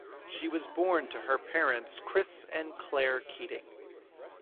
She was born to her parents Chris and Clare Keating.